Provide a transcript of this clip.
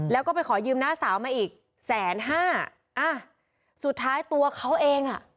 แล้วก็ไปขอยืมน้าสาวมาอีกแสนห้าอ่ะสุดท้ายตัวเขาเองอ่ะ